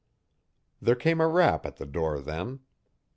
There came a rap at the door then.